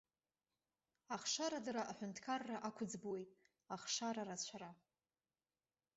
Ахшарадара аҳәынҭқарра ақәыӡбуеит, ахшара рацәара.